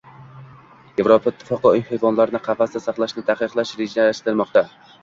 Yevroittifoqda uy hayvonlarini qafasda saqlashni taqiqlash rejalashtirilmoqda